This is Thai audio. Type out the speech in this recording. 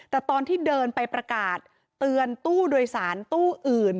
แต่ตอนที่เดินไปประกาศเตือนตู้โดยสารตู้อื่น